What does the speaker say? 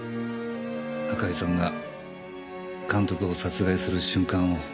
赤井さんが監督を殺害する瞬間を。